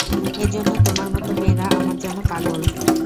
এজন্য তোমার মতো মেয়েরা আমার জন্য পাগল।